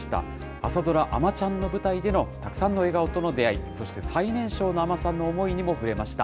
朝ドラあまちゃんの舞台でのたくさんの笑顔との出会い、そして最年少の海女さんの思いにも触れました。